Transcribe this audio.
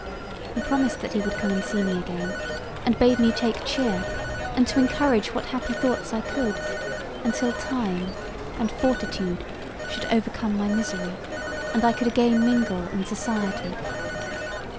He promised that he would come and see me again; and bade me take cheer, and to encourage what happy thoughts I could, untill time and fortitude should overcome my misery, and I could again mingle in society.